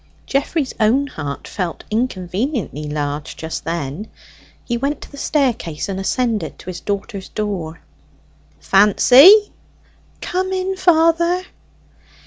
Geoffrey's own heart felt inconveniently large just then. He went to the staircase and ascended to his daughter's door. "Fancy!" "Come in, father."